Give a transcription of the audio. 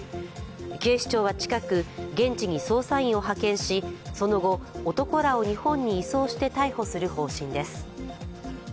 警視庁は近く、現地に捜査員を派遣し、その後、男らを日本に移送して逮捕する方針です。